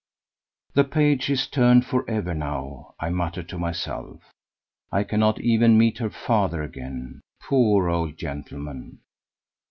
The page is turned for ever now, I muttered to myself. I cannot even meet her father again. Poor old gentleman!